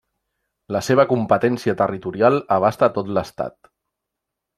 La seva competència territorial abasta tot l'Estat.